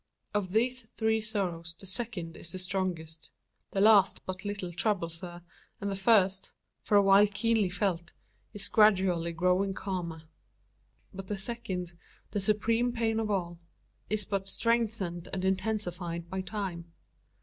Of these three sorrows the second is the strongest. The last but little troubles her; and the first, for a while keenly felt, is gradually growing calmer. But the second the supreme pain of all is but strengthened and intensified by time!